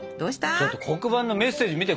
ちょっと黒板のメッセージ見て。